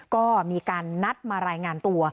ก็มีการนัดมารายงานตัว